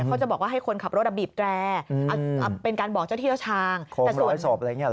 เขาจะบอกว่าให้คนขับรถบีบแตรเป็นการบอกเจ้าที่เจ้าทางจะสวยศพอะไรอย่างนี้หรอ